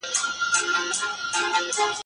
الله تعالی د اصحاب الفيل قصه راته کړې ده.